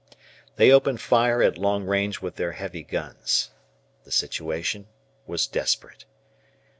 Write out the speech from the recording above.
They opened fire at long range with their heavy guns. The situation was desperate.